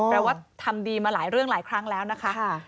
แปลว่าทำดีมาหลายเรื่องหลายครั้งแล้วนะคะ